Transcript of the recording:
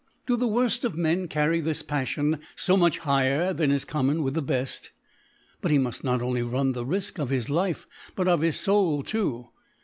Do the word of Men carry this Patlion fb much higher than is common wich the beft P But he mud: noc only run the Rifk of his Life, but of his Soul too.